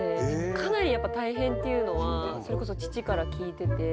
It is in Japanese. かなりやっぱ大変っていうのはそれこそ父から聞いてて。